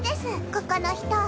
ここの人。